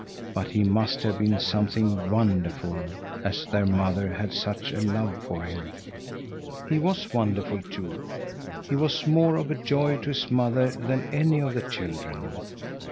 But he must have been something wonderful, as their mother had such a love for him. He was wonderful too; he was more of a joy to his mother than any of the children.